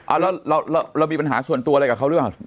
อ้าวแล้วแล้วแล้วเรามีปัญหาส่วนตัวอะไรกับเขาด้วยหรอ